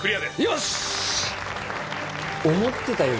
よし！